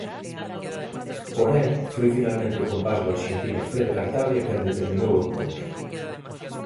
Porén, foi finalmente o compás do arxentino Fede Cartabia quen determinou o encontro.